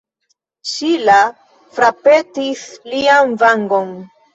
Ŝila frapetis lian vangon.